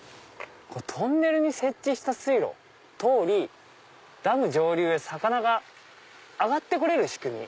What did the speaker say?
トンネルに設置した水路を通りダム上流へ魚が上がって来れる仕組み。